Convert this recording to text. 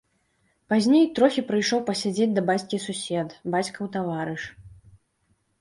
Пазней трохі прыйшоў пасядзець да бацькі сусед, бацькаў таварыш.